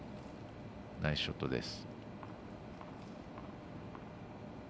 ナイスショットです。